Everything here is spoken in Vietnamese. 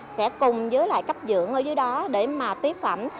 sẽ cùng với lại cấp dưỡng ở dưới đó để mà tiếp phẩm